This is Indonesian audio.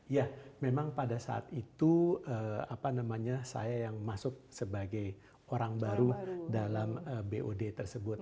ya memang pada saat itu apa namanya saya yang masuk sebagai orang baru dalam bod tersebut